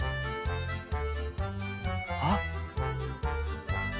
あっ。